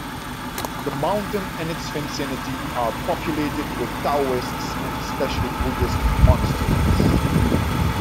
The mountain and its vicinity are populated with Taoist and especially Buddhist monasteries.